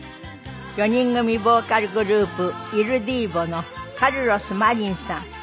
４人組ボーカルグループイル・ディーヴォのカルロス・マリンさん。